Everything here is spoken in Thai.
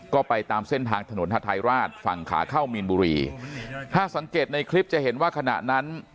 ก็ไปตามเส้นทางถนนฮาทายราชฝั่งขาเข้ามีนบุรีถ้าสังเกตในคลิปจะเห็นว่าขณะนั้น